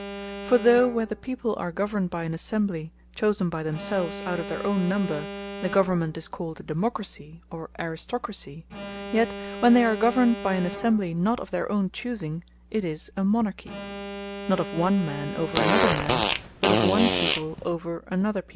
For though where the people are governed by an Assembly, chosen by themselves out of their own number, the government is called a Democracy, or Aristocracy; yet when they are governed by an Assembly, not of their own choosing, 'tis a Monarchy; not of One man, over another man; but of one people, over another people.